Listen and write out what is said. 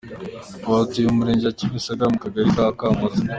Ubu atuye mu Murenge wa Kimisagara mu Kagari ka Kamuhoza.